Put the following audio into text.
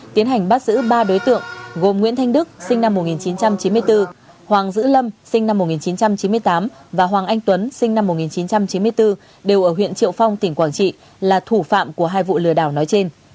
tiến hành bắt giữ ba đối tượng gồm nguyễn thanh đức sinh năm một nghìn chín trăm chín mươi bốn hoàng dữ lâm sinh năm một nghìn chín trăm chín mươi tám và hoàng anh tuấn sinh năm một nghìn chín trăm chín mươi bốn đều ở huyện triệu phong tỉnh quảng trị là thủ phạm của hai vụ lừa đảo nói trên